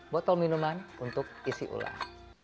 botol minuman untuk isi ulah